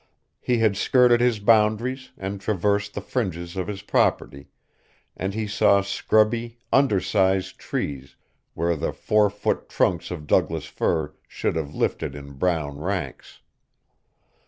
He had skirted his boundaries and traversed the fringes of his property, and he saw scrubby, undersized trees where the four foot trunks of Douglas fir should have lifted in brown ranks.